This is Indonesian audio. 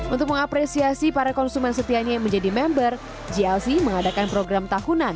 untuk mengapresiasi para konsumen setianya yang menjadi member jlc mengadakan program tahunan